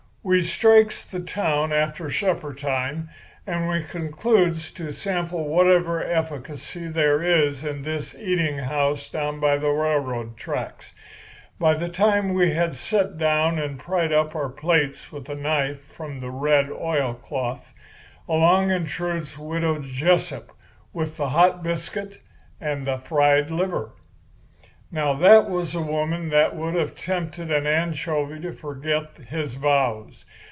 "We strikes the town after supper time, and we concludes to sample whatever efficacy there is in this eating house down by the railroad tracks. By the time we had set down and pried up our plates with a knife from the red oil cloth, along intrudes Widow Jessup with the hot biscuit and the fried liver. "Now, there was a woman that would have tempted an anchovy to forget his vows.